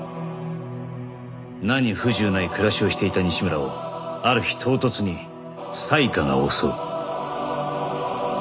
何不自由ない暮らしをしていた西村をある日唐突に災禍が襲う